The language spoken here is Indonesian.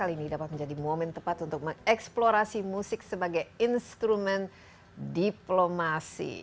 hal ini dapat menjadi momen tepat untuk mengeksplorasi musik sebagai instrumen diplomasi